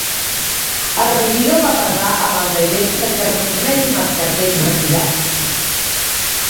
El regidor va parlar amb els agents perquè retornessin els cartells requisats.